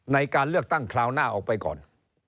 ในการเลือกตั้งคราวหน้าออกไปก่อน